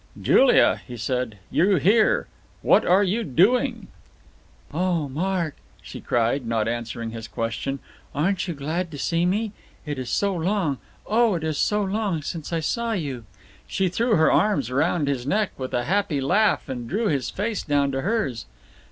"Julia," he said, "you here! What are you doing?" "Oh, Mark," she cried, not answering his question, "aren't you glad to see me? It is so long, oh, it is so long since I saw you!" She threw her arms round his neck with a happy laugh, and drew his face down to hers.